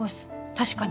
確かに。